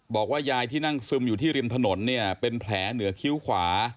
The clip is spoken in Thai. บอกว่ายายที่นั่งซึมอยู่ที่ริมถนนเนี่ยเป็นแผลเหนือคิ้วขวา